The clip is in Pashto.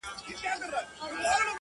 په غم ور ګډ شه